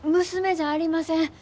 娘じゃありません。